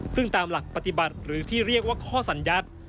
ซึ่งตามหลักปฏิบัติหรือที่เรียกว่าข้อสัญญัติ